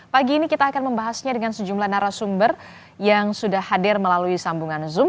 pagi ini kita akan membahasnya dengan sejumlah narasumber yang sudah hadir melalui sambungan zoom